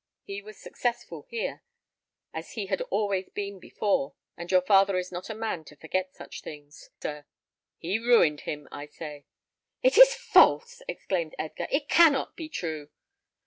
He was successful here, as he had always been before, and your father is not a man to forget such things, sir. He ruined him, I say." "It is false!" exclaimed Edgar. "It cannot be true."